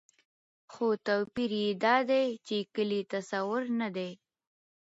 خو توپير يې دا دى، چې کلي تصور نه دى